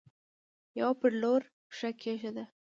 يوه پر لور پښه کيښوده.